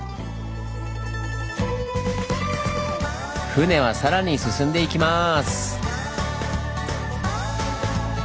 船はさらに進んでいきます！